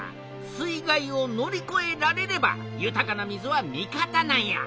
水害を乗りこえられれば豊かな水は味方なんや。